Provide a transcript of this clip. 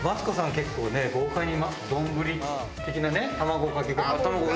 結構ね豪快に丼的なね卵かけご飯。